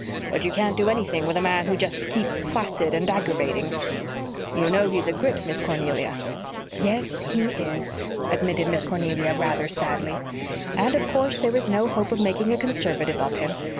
But you can't do anything with a man who just keeps placid and aggravating." "You know he's a Grit, Miss Cornelia." "Yes, he IS," admitted Miss Cornelia rather sadly. "And of course there is no hope of making a Conservative of him.